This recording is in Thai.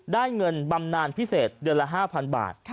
ได้เงินบำนานพิเศษเดือนละ๕๐๐บาท